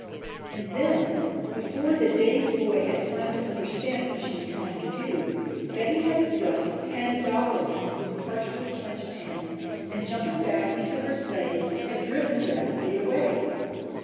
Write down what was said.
And then, before the dazed boy had time to understand what she was trying to do, Betty had thrust ten dollars into his partially clenched hand and jumping back into her sleigh had driven rapidly away.